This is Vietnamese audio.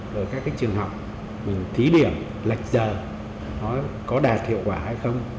rồi các trường học mình thí điểm lạch giờ nó có đạt hiệu quả hay không